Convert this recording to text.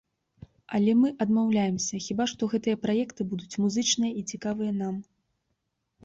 Але мы адмаўляемся, хіба што, гэтыя праекты будуць музычныя і цікавыя нам.